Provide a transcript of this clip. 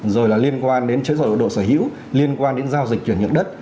rồi là liên quan đến chế độ sở hữu liên quan đến giao dịch chuyển nhượng đất